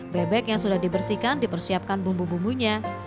bebek yang sudah dibersihkan dipersiapkan bumbu bumbunya